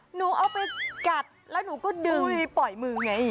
หนูเอาไปกัดแล้วหนูก็ดึงปล่อยมือไง